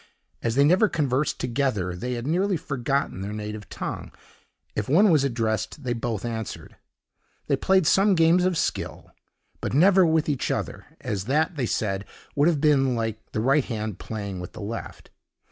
As they never conversed together, they had nearly forgotten their native tongue. If one was addressed, they both answered. They played some games of skill, but never with each other; as that, they said, would have been like the right hand playing with the left.